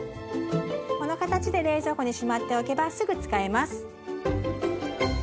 この形で冷蔵庫にしまっておけばすぐ使えます。